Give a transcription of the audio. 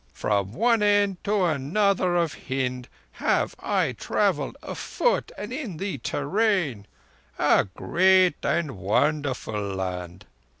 From one end to another of Hind have I travelled afoot and in the te rain. A great and a wonderful land!